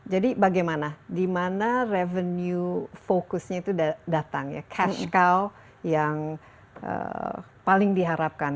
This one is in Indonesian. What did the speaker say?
jadi bagaimana dimana revenue fokusnya itu datang ya cash cow yang paling diharapkan